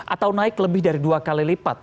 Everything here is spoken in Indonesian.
atau naik lebih dari dua kali lipat